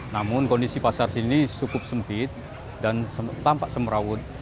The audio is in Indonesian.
namun kondisi pasar sini cukup sempit dan tampak semerawut